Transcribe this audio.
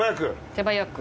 手早く。